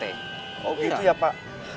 oh gitu ya pak